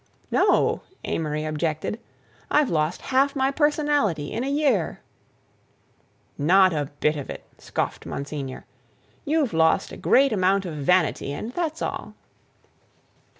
"No," Amory objected. "I've lost half my personality in a year." "Not a bit of it!" scoffed Monsignor. "You've lost a great amount of vanity and that's all."